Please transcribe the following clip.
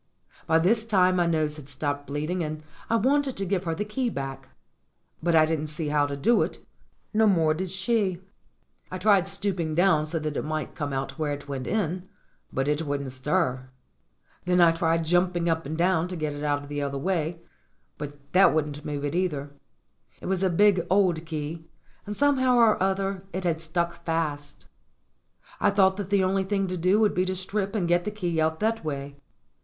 By this time my nose had stopped bleeding, and I wanted to give her the key back. But I didn't see how to do it ; no more did she. I tried stooping down so that it might come out where it went in, but it wouldn't stir. Then I tried jumping up and down to get it out the other way, but that wouldn't move it either. It was a big, old key, and somehow or other it had stuck fast. I thought 170 STORIES WITHOUT TEARS that the only thing to do would be to strip and get the key out that way.